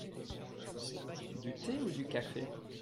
du thé ou du café ?